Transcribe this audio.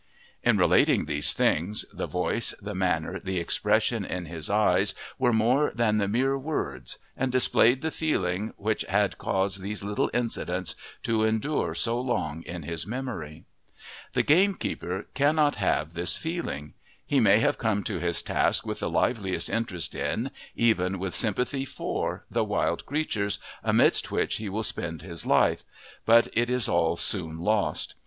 In relating these things the voice, the manner, the expression in his eyes were more than the mere words, and displayed the feeling which had caused these little incidents to endure so long in his memory. The gamekeeper cannot have this feeling: he may come to his task with the liveliest interest in, even with sympathy for, the wild creatures amidst which he will spend his life, but it is all soon lost.